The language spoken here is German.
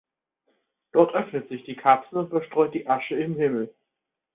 Dort öffnet sich die Kapsel und verstreut die Asche im Himmel.